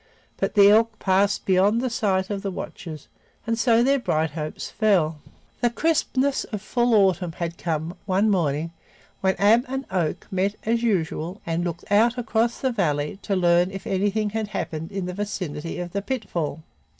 But the elk passed beyond the sight of the watchers, and so their bright hopes fell. The crispness of full autumn had come, one morning, when Ab and Oak met as usual and looked out across the valley to learn if anything had happened in the vicinity of the pitfall.